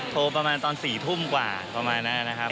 ประมาณตอน๔ทุ่มกว่าประมาณนั้นนะครับ